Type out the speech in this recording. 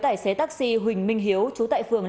tài xế taxi huỳnh minh hiếu chú tại phường